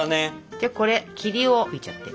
じゃあこれ霧を吹いちゃって。